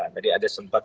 jadi ada sebagiannya